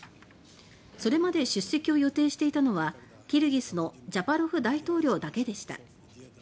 それまで出席を予定していたのはキルギスのジャパロフ大統領だけでした。